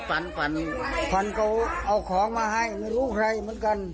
ฝันฝันเขาเอาของมาให้ไม่รู้ใครเหมือนกัน